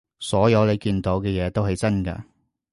所有你見到嘅嘢都係真㗎